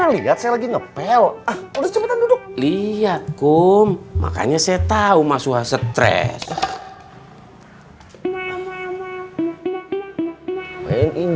lihat saya lagi ngepel lihat kum makanya saya tahu masuk stress